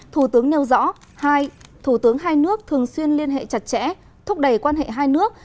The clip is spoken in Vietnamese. thủ tướng nêu rõ hai thủ tướng hai nước thường xuyên liên hệ chặt chẽ thúc đẩy quan hệ hai nước